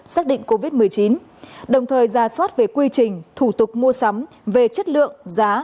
xác định covid một mươi chín đồng thời ra soát về quy trình thủ tục mua sắm về chất lượng giá